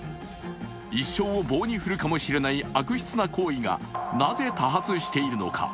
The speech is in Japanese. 一生を棒に振るかもしれない悪質な行為がなぜ多発しているのか。